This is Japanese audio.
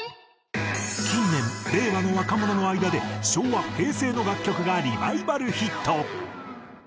近年令和の若者の間で昭和・平成の楽曲がリバイバルヒット。